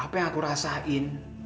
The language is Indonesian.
apa yang aku rasain